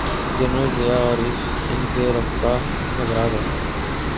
General Zia اور ان کے رفقاء گھبرا گئے۔